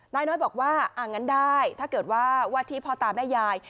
นายน้อยบอกว่างั้นได้ถ้าเกิดว่าวัชทรีย์พ่อตาแม่ยาย